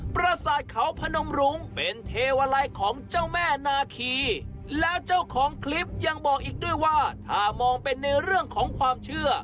ประสาทเขาพนมรุ้งเป็นเทวาลัยของเจ้าแม่นาคีแล้วเจ้าของคลิปยังบอกอีกด้วยว่าถ้ามองเป็นในเรื่องของความเชื่อ